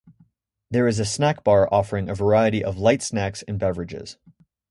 There is a snack bar offering a variety of light snacks and beverages.